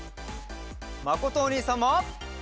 まことおにいさんも！